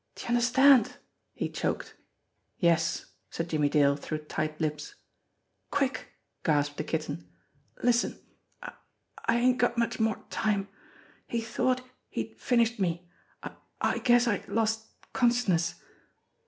"D'ye understand?" he choked. "Yes," said Jimmie Dale through tight lips. "Quick!" gasped the Kitten. "Listen! I I ain't got much more time. He thought he'd finished me. I I guess I lost consciousness.